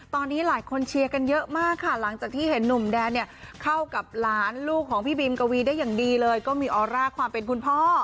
ตอนนี้หลายคนเชียร์กันเยอะมากค่ะหลังจากที่เห็นหนุ่มแดนเนี่ยเข้ากับหลานลูกของพี่บีมกวีได้อย่างดีเลยก็มีออร่าความเป็นคุณพ่อ